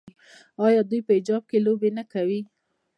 آیا دوی په حجاب کې لوبې نه کوي؟